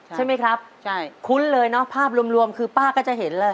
ใช่ไหมครับใช่คุ้นเลยเนอะภาพรวมคือป้าก็จะเห็นเลย